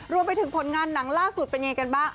รวมไปถึงผลงานหนังล่าสุดเป็นยังไงกันบ้าง